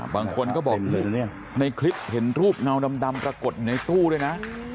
บางคนก็บอกในคลิปเห็นรูปเงานำดำปรากฎในตู้เลยนะ